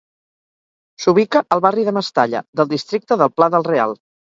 S'ubica al barri de Mestalla, del districte del Pla del Real.